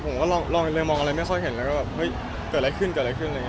ผมก็ลองนี่เลยมองอะไรไม่ค่อยเห็นแล้วก็แบบเฮ้ยเกิดอะไรขึ้นอะไรอย่างเงี้ย